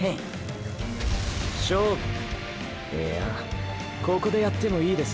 いやぁここでやってもいいです